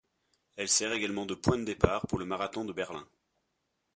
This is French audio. Elle sert également de point de départ pour le marathon de Berlin.